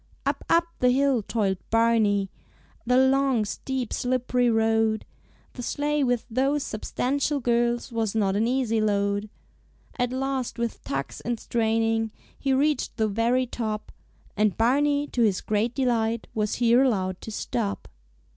Up, up the hill toiled Barney, The long, steep, slipp'ry road; The sleigh with those substantial girls Was not an easy load. At last with tugs and straining He reached the very top, And Barney to his great delight Was here allowed to stop.